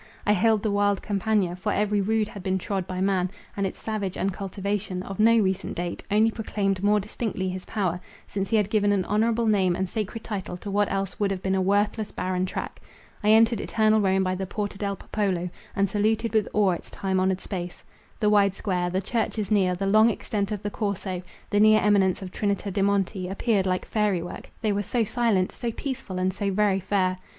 I hailed the wild Campagna, for every rood had been trod by man; and its savage uncultivation, of no recent date, only proclaimed more distinctly his power, since he had given an honourable name and sacred title to what else would have been a worthless, barren track. I entered Eternal Rome by the Porta del Popolo, and saluted with awe its time honoured space. The wide square, the churches near, the long extent of the Corso, the near eminence of Trinita de' Monti appeared like fairy work, they were so silent, so peaceful, and so very fair.